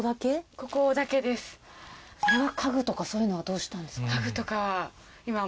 家具とかそういうのはどうしたんですか？